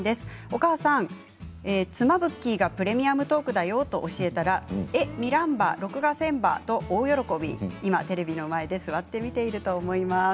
お母さん、妻ブッキーが「プレミアムトーク」だよと教えから見らんば、録画せんばと大喜びで今テレビの前で座って見ていると思います。